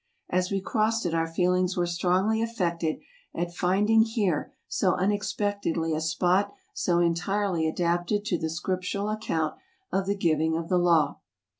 As we crossed it our feelings were strongly affected at find¬ ing here so unexpectedly a spot so entirely adapted to the Scriptural account of tlie giving of the Law.